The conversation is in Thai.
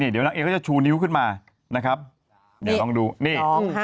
เดี๋ยวนางเอก็จะชูนิ้วขึ้นมานะครับเดี๋ยวลองดูนี่